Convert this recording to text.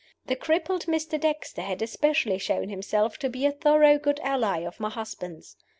The crippled Mr. Dexter had especially shown himself to be a thorough good ally of my husband's.